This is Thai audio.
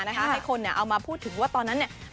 ให้คนเอามาพูดถึงว่าตอนนั้นเนี่ย